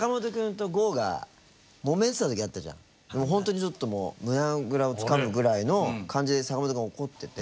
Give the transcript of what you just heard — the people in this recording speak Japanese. ほんとにちょっともう胸ぐらをつかむぐらいの感じで坂本くんが怒ってて。